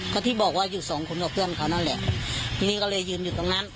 ก็ที่บอกว่าอยู่สองคนกับเพื่อนเขานั่นแหละทีนี้ก็เลยยืนอยู่ตรงนั้น